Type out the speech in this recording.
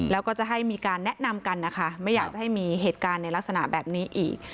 แล้วก็จะให้มีการแนะนำกันนะคะไม่อยากจะให้มีเหตุการณ์ในลักษณะแบบนี้อีก